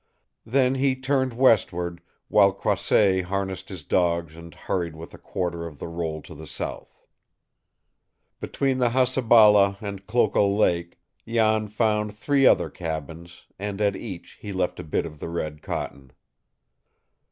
Then he turned westward, while Croisset harnessed his dogs and hurried with a quarter of the roll to the south. Between the Hasabala and Klokol Lake, Jan found three other cabins, and at each he left a bit of the red cotton.